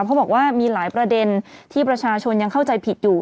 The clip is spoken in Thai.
เขาบอกว่ามีหลายประเด็นที่ประชาชนยังเข้าใจผิดอยู่